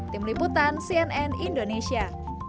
tim liputan cnn indonesia